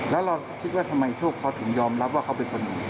แล้วเราคิดว่าทำไมโชคเขาถึงยอมรับว่าเขาเป็นคนอื่น